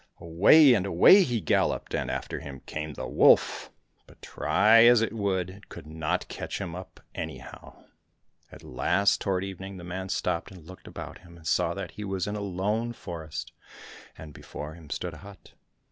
Away and away he galloped, and after him came the wolf, but try as it would, it could not catch him up anyhow. At last, toward evening, the man stopped and looked about him, and saw that he was in a lone forest, and before him stood a hut.